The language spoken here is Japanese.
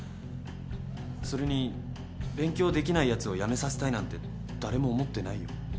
それに勉強できないやつを辞めさせたいなんて誰も思ってないよ。